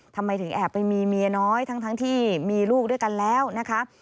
ทำไมถึงแอบไปมีเมียน้อยทั้งที่มีลูกด้วยกันแล้วนะคะ